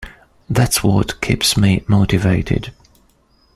That's what keeps me motivated.